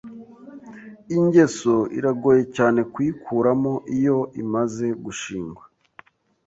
Ingeso iragoye cyane kuyikuramo iyo imaze gushingwa.